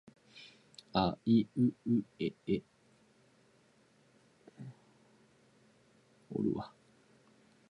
The outer wall is not quite circular, and possesses a slightly polygonal form.